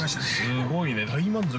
◆すごいね、大体満足。